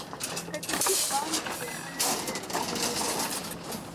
د کجکي بند د هلمند باغونه خړوبوي.